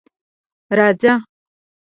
_راځه.